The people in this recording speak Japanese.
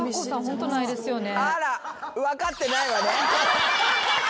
あら分かってないわね。